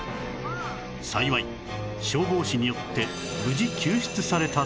幸い消防士によって無事救出されたという